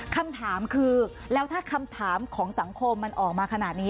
คำถามคือแล้วถ้าคำถามของสังคมมันออกมาขนาดนี้